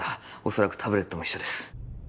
恐らくタブレットも一緒です